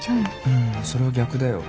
ううんそれは逆だよ。